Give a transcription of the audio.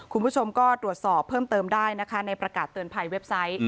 คุณผู้ชมก็ตรวจสอบเพิ่มเติมได้นะคะในประกาศเตือนภัยเว็บไซต์